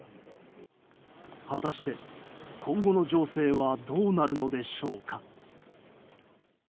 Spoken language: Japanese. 果たして今後の情勢はどうなるのでしょうか。